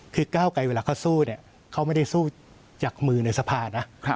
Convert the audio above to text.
คือก้าวไกลเวลาเขาสู้เนี่ยเขาไม่ได้สู้จากมือในสภานะ